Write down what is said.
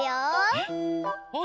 えっ！